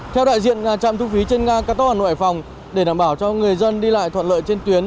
theo đại diện chạm thu phí trên cao tốc hà nội hài phong để đảm bảo cho người dân đi lại thuận lợi trên tuyến